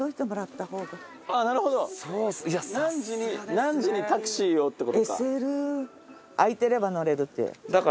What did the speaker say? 何時にタクシーをってことか。